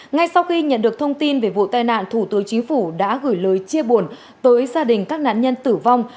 ngay sau khi nhận được thông tin về vụ tai nạn thủ tướng chính phủ đã gửi lời chia buồn tới gia đình các nạn nhân tử vong